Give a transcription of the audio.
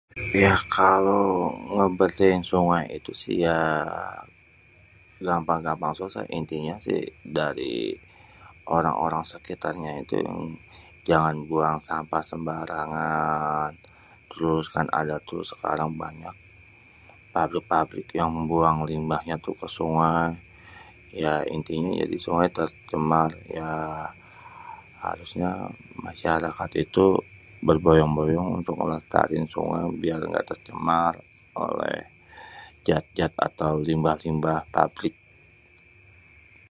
Ya kalo ngebersihin sungai itu si ya, gampang-gampang susah intinya si dari orang-orang sekitar nya itu jangan buang sampah sembarangan, terus kan ada tuh sekarang banyak pabrik-pabrik yang buang limbahnya tuh ke sungai. Ya intinyé kalo di sungai ya harusnya, masyarakat itu berbodondong-bondong untuk ngelestariin sungai biar ga tercemar oleh zat-zat atau limbah pabrik.